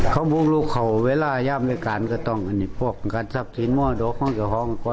เขาบุกลูกเขาเวลายามจะสบสีนโหมอะโดไม่เขามากหรอก